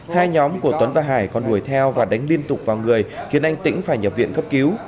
hai nhóm của tuấn và hải còn đuổi theo và đánh liên tục vào người khiến anh tĩnh phải nhập viện cấp cứu